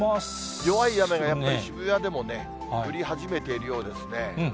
弱い雨、やっぱり渋谷でも降り始めているようですね。